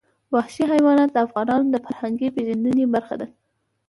وحشي حیوانات د افغانانو د فرهنګي پیژندنې برخه ده.